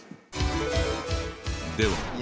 では